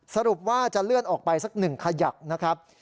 สรุปว่าจะเลื่อนออกไปสักหนึ่งขยักนะครับ